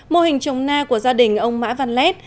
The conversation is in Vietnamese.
mô hình trồng na của gia đình ông mã văn lét